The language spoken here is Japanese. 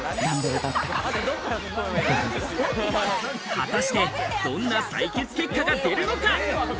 果たして、どんな採血結果が出るのか？